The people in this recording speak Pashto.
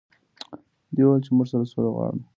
دوی وویل چې موږ سوله غواړو.